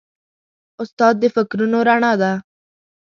استاد د فکرونو رڼا ده.